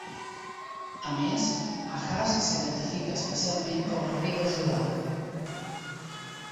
A més, Ahaz s'identifica específicament com a rei de Judà.